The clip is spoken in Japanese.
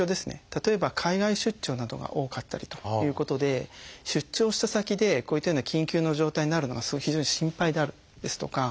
例えば海外出張などが多かったりということで出張した先でこういったような緊急の状態になるのは非常に心配であるですとか